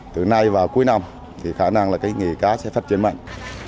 từ nay vào cuối năm thì khả năng là cái nghề cá sẽ phát triển mạnh